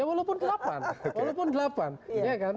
ya walaupun delapan